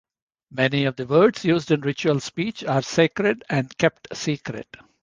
Many of the words used in ritual speech are sacred and kept secret.